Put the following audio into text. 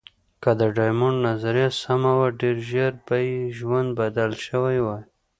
که د ډایمونډ نظریه سمه وه، ډېر ژر به یې ژوند بدل شوی وای.